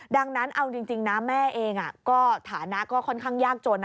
ดังนั้นเอาจริงนะแม่เองก็ฐานะก็ค่อนข้างยากจน